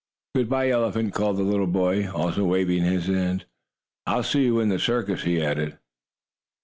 "Good by, elephant!" called the little boy, also waving his hand. "I'll see you in the circus," he added.